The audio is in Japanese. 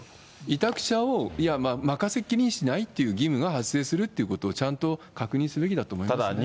委託者を任せっきりにしないっていう義務が発生するってことを、ちゃんと確認すべきだと思いますね。